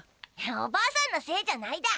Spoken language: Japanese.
おばあさんのせいじゃないだ。